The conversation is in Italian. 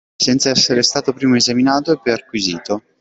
Senza esser stato prima esaminato e perquisito.